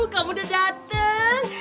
kamu udah dateng